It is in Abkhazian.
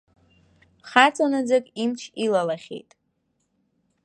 Хаҵа наӡак имч илалахьеит.